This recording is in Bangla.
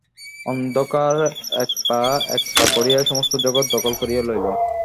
অন্ধকার এক পা এক পা করিয়া সমস্ত জগৎ দখল করিয়া লইল।